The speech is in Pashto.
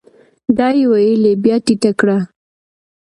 دا يې ويلې بيا ټيټه کړه ؟